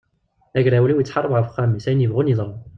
Agrawliw yettḥarab ɣef uxxam-is ayen yebɣun yeḍra!